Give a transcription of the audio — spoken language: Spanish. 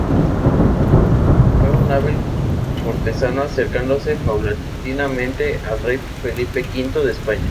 Fue un hábil cortesano, acercándose paulatinamente al rey Felipe V de España.